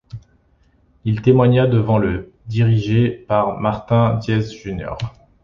Il témoigna devant le dirigé par Martin Dies Jr.